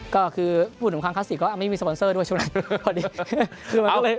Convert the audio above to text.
ก็คือพูดถึงครั้งคลาสสิกก็ไม่มีสปอนเซอร์ด้วยช่วงนั้นพอดี